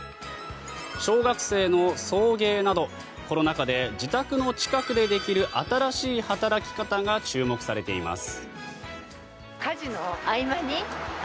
小学生の送迎などコロナ禍で自宅の近くでできる新しい働き方が注目されています。